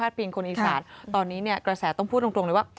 พาสเพียงของอีสานตอนนี้กระแสต้องพูดตรงเลยว่า